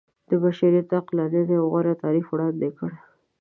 د بشريت د عقلانيت يو غوره تعريف وړاندې کړ.